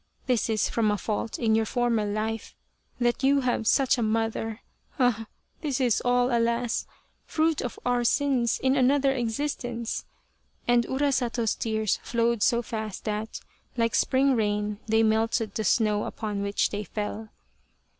This is from a fault in your former life that you have such a mother ah ! this is all, alas, fruit of our sins in another existence," and Urasato's tears flowed so fast that, like spring rain, they melted the snow upon which they fell.